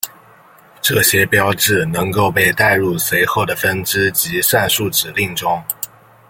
这些标志能够被带入随后的分支及算术指令中。